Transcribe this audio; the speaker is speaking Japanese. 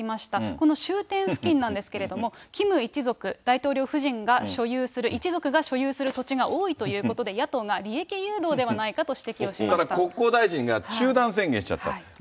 この終点付近なんですけれども、キム一族、大統領夫人が所有する、一族が所有する土地が多いということで、野党が利益誘導ではないただ国交大臣が中断宣言しちゃった。